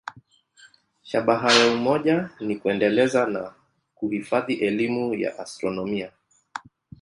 Shabaha ya umoja ni kuendeleza na kuhifadhi elimu ya astronomia.